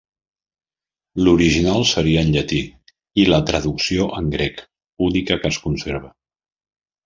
L'original seria en llatí i la traducció en grec, única que es conserva.